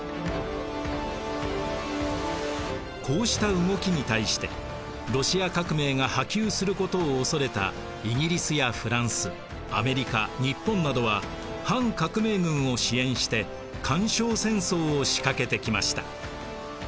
こうした動きに対してロシア革命が波及することを恐れたイギリスやフランスアメリカ日本などは反革命軍を支援して干渉戦争を仕掛けてきました。